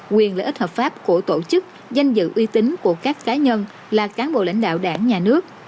quyền lợi ích hợp pháp của tổ chức danh dự uy tín của các cá nhân là cán bộ lãnh đạo đảng nhà nước